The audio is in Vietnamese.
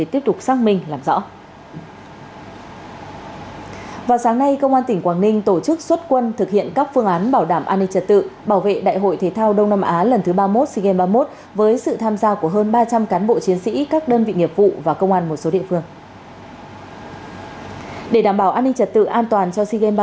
trong sáng nay công an tỉnh quảng ninh tổ chức xuất quân thực hiện các phương án bảo đảm an ninh trật tự bảo vệ đại hội thế thao đông nam á lần thứ ba mươi một sigem ba mươi một với sự tham gia của hơn ba trăm linh cán bộ chiến sĩ các đơn vị nghiệp vụ và công an một số địa phương